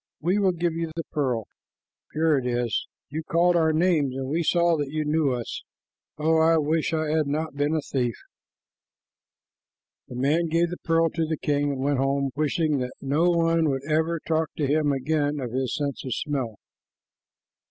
We will give you the pearl; here it is. You called our names, and we saw that you knew us. Oh, I wish I had not been a thief!" The man gave the pearl to the king, and went home wishing that no one would ever talk to him again of his sense of smell.